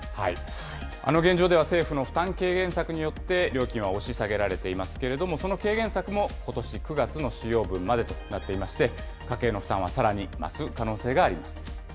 現状では政府の負担軽減策によって料金は押し下げられていますけれども、その軽減策も、ことし９月の使用分までとなっていまして、家計の負担はさらに増す可能性があります。